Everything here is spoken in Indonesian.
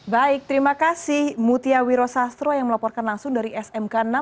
baik terima kasih mutia wiro sastro yang melaporkan langsung dari smk enam